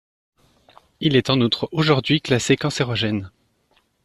Il est en outre aujourd'hui classé cancérogène.